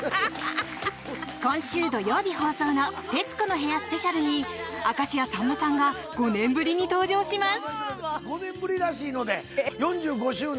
今週土曜日放送の「徹子の部屋スペシャル」に明石家さんまさんが５年ぶりに登場します。